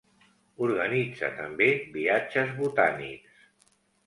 Organitza també viatges botànics.